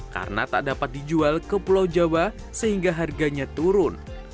karena tak dapat dijual ke pulau jawa sehingga harganya turun